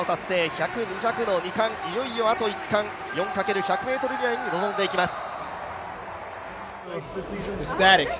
１００、２００の２冠、いよいよあと１冠４×１００ｍリレーに臨んでいきます。